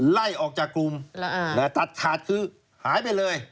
ไล่ออกจากกลุ่มตัดขาดคือหายไปเลย